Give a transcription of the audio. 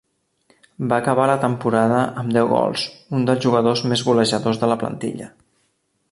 Va acabar la temporada amb deu gols, un dels jugadors més golejadors de la plantilla.